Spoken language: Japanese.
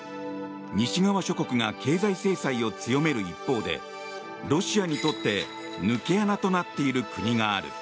西側諸国が経済制裁を強める一方でロシアにとって抜け穴となっている国がある。